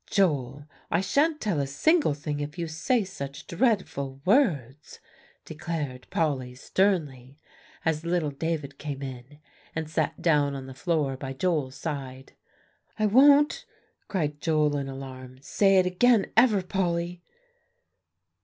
"Joel, I sha'n't tell a single thing if you say such dreadful words," declared Polly sternly, as little David came in, and sat down on the floor by Joel's side. "I won't," cried Joel in alarm, "say it again ever, Polly."